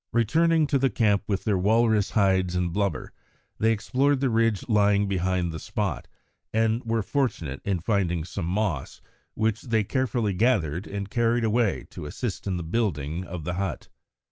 Returning to the camp with their walrus hides and blubber, they explored the ridge lying behind the spot, and were fortunate in finding some moss, which they carefully gathered and carried away to assist in the building of the hut.